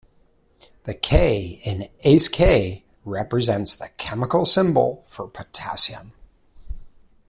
The K in "Ace K" represents the chemical symbol for potassium.